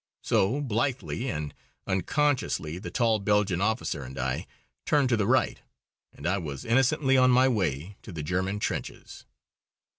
So, blithely and unconsciously the tall Belgian officer and I turned to the right, and I was innocently on my way to the German trenches.